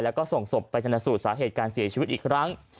แล้วก็ส่งศพไปชนสูตรสาเหตุการเสียชีวิตอีกครั้ง